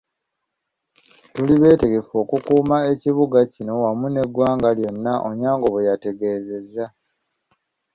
"Tuli beetegefu okukuuma ekibuga kino wamu n'eggwanga lyonna,” Onyango bwe yategeezezza.